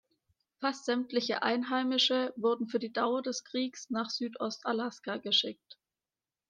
Fast sämtliche Einheimische wurden für die Dauer des Krieges nach Südost-Alaska geschickt.